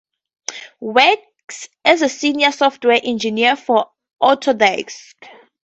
Works as a Senior Software Engineer for Autodesk.